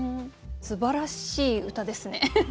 すばらしい歌ですね。